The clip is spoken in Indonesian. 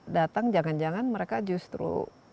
datang jangan jangan mereka justru